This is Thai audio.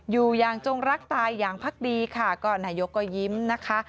อยู่อย่างจงรักตายอย่างพักดีค่ะก็นายกก็ยิ้มนะคะ